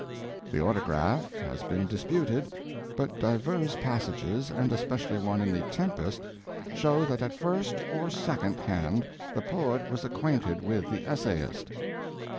The autograph has been disputed, but divers passages, and especially one in The Tempest, show that at first or second hand the poet was acquainted with the essayist."